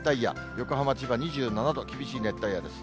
横浜、千葉２７度、厳しい熱帯夜です。